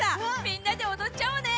みんなでおどっちゃおうね！